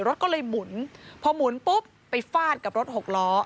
รถก็เลยหมุนพอหมุนปุ๊บไปฟาดกับรถหกล้อ